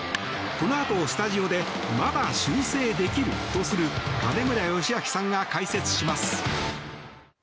このあとスタジオでまだ修正できるとする金村義明さんが解説します。